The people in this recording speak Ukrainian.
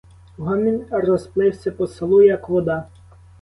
Гомін розплився по селу, як вода.